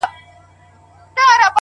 په گيلاس او په ساغر دي اموخته کړم،